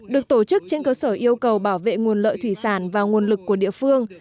được tổ chức trên cơ sở yêu cầu bảo vệ nguồn lợi thủy sản và nguồn lực của địa phương